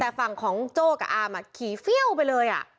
แต่ฝั่งของโจ้กับอามขี่เฟี้ยวไปเลย